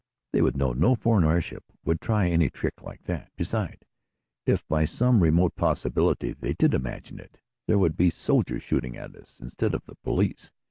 "They would know no foreign airship would try any trick like that. Beside, if by some remote possibility they did imagine it, there would be soldiers shooting at us, instead of the police.